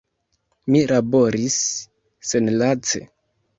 Mi laboris senlace.